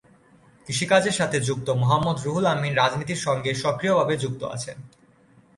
কৃষি কাজের সাথে যুক্ত মোহাম্মদ রুহুল আমিন রাজনীতির সঙ্গে সক্রিয় ভাবে যুক্ত আছেন।